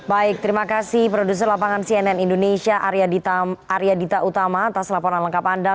baik terima kasih produser lapangan cnn indonesia arya dita utama atas laporan lengkap anda